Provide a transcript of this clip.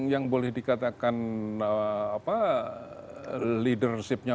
yang boleh dikatakan apa leadership nya